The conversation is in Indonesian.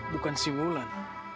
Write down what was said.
bukan si ulan